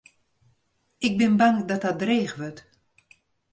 Ik bin bang dat dat dreech wurdt.